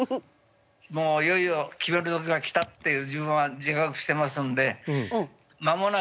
いよいよ決める時が来たっていう自分は自覚してますので間もなく免許証返納します。